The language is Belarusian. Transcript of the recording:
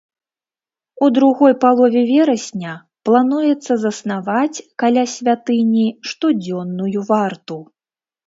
У другой палове верасня плануецца заснаваць каля святыні штодзённую варту.